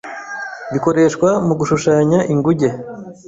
bikoreshwa mu gushushanya inguge